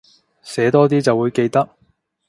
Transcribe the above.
寫多啲就會記得